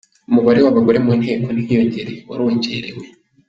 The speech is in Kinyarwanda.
Umubare w’abagore mu Nteko ntiwiyongereye, warongerewe.